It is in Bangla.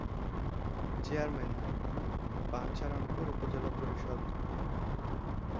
চেয়ারম্যান:বাঞ্ছারামপুর উপজেলা পরিষদ।